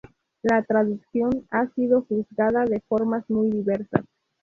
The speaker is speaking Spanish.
La traducción ha sido juzgada de formas muy diversas.